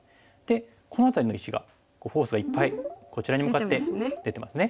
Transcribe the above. この辺りの石がフォースがいっぱいこちらに向かって出てますね。